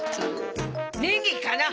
ネギかな？